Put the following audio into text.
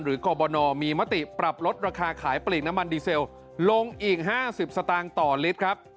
กรบนมีมติปรับลดราคาขายปลีกน้ำมันดีเซลลงอีก๕๐สตางค์ต่อลิตรครับ